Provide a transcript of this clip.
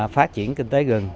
phát triển kinh tế rừng